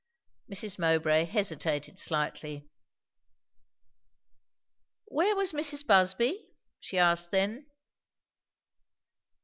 Mrs. Mowbray hesitated slightly. "Where was Mrs. Busby?" she asked then.